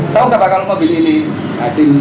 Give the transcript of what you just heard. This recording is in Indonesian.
tau gak bakal mobil ini asing